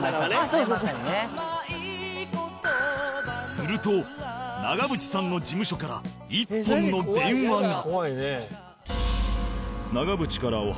すると長渕さんの事務所から１本の電話が